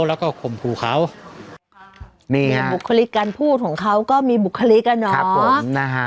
แล้วก็ข่มภูเขามีบุคลิกการพูดของเขาก็มีบุคลิกอ่ะเนอะครับผมนะฮะ